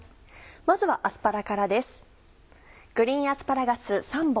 まずはアスパラからです。